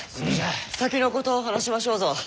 先のことを話しましょうぞ。